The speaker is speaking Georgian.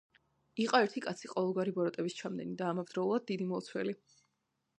იყო ერთი კაცი, ყოველგვარი ბოროტების ჩამდენი და ამავდროულად დიდად მლოცველი.